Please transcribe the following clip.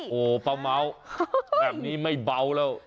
โอ้โหป้าเม้าแบบนี้ไม่เบาแล้ว